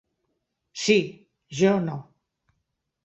Sí, jo no...